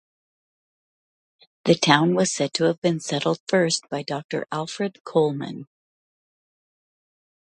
The town was said to have been settled first by Doctor Alfred Coleman.